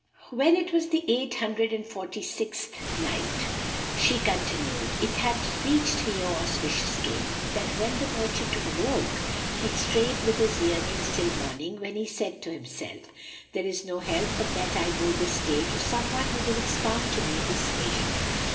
When it was the Eight Hundred and Forty sixth Night, She continued, It hath reached me, O auspicious King, that when the merchant awoke, he strave with his yearnings till morning when he said to himself, "There is no help but that I go this day to some one who will expound to me this vision."